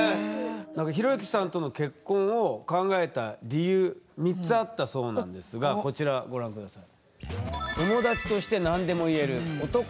なんか寛之さんとの結婚を考えた理由３つあったそうなんですがこちらご覧下さい。